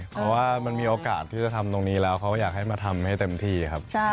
เพราะว่ามันมีโอกาสที่จะทำตรงนี้แล้วเขาอยากให้มาทำให้เต็มที่ครับ